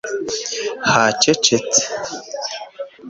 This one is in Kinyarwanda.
Hacecetse